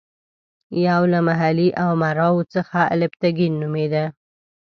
یو له محلي امراوو څخه الپتکین نومېده.